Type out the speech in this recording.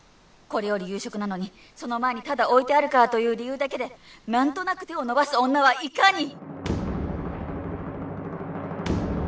これより夕食なのにその前にただ置いてあるからという理由だけで何となく手を伸ばす女はいかに？